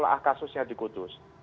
ada kasusnya di kudus